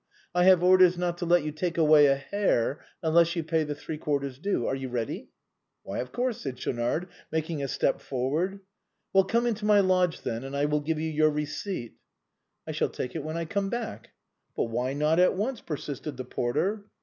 I have orders not to let you take away HOW THE BOHEMIAN CLUB WAS FORMED. 7 a hair unless you pay the three quarters due. Are you ready ?"" Why, of course," said Schaunard, making a step for ward. " Well, come into my lodge, then, and I will give you your receipt." " I shall take it when I come back." " But why not at once ?" persisted the porter.